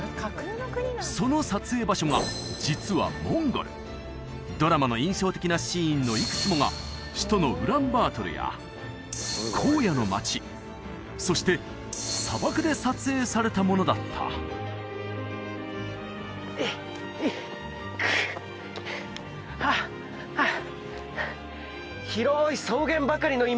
その撮影場所が実はモンゴルドラマの印象的なシーンのいくつもが首都のウランバートルや荒野の町そして砂漠で撮影されたものだったえっえっくっハァハァ